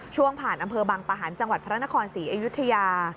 ช่วงผ่านอำเภอบังปะหันต์จังหวัดพระนครศรีอยุธยา